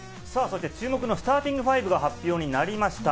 注目のスターティングファイブが発表になりました。